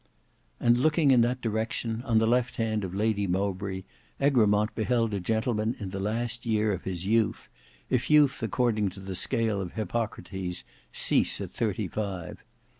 And looking in that direction, on the left hand of Lady Mowbray, Egremont beheld a gentleman in the last year of his youth, if youth according to the scale of Hippocrates cease at thirty five.